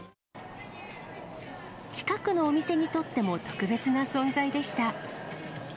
近くのお店にとっても特別な存在でした。